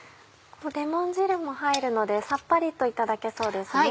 レモン汁も入るのでさっぱりといただけそうですね。